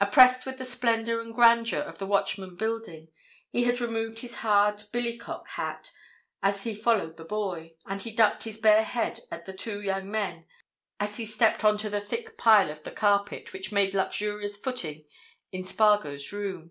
Oppressed with the splendour and grandeur of the Watchman building, he had removed his hard billycock hat as he followed the boy, and he ducked his bared head at the two young men as he stepped on to the thick pile of the carpet which made luxurious footing in Spargo's room.